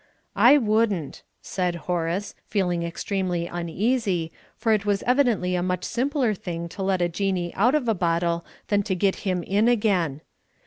"I wouldn't," said Horace, feeling extremely uneasy, for it was evidently a much simpler thing to let a Jinnee out of a bottle than to get him in again.